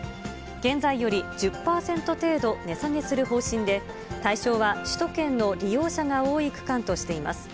現在より１０％程度値下げする方針で、対象は首都圏の利用者が多い区間としています。